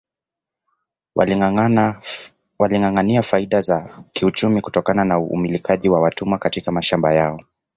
Walingâangâania faida za kiuchumi kutokana na umilikaji wa watumwa katika mashamba yao